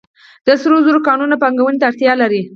د سرو زرو کانونه پانګونې ته اړتیا لري